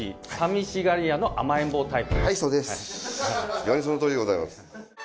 非常にそのとおりでございます。